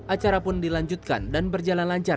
acara pun dilanjutkan dan berjalan lancar